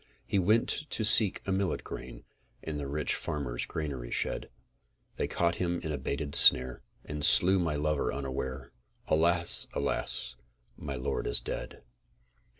He went to seek a millet grain In the rich farmer's granary shed; They caught him in a baited snare, And slew my lover unaware: Alas! alas! my lord is dead.